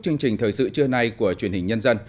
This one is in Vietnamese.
chương trình thời sự trưa nay của truyền hình nhân dân